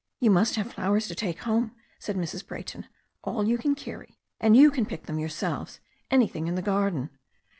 "You must have flowers to take home," said Mrs. Bray ton, "all you can carry, and you can pick them yourselves, an3rthing in the garden."